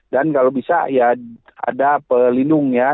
dan kalau bisa ya ada pelindungnya